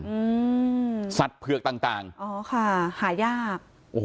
อืมสัตว์เผือกต่างอ๋อค่ะหายาก